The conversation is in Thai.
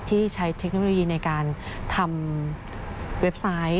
ที่ใช้เทคโนโลยีในการทำเว็บไซต์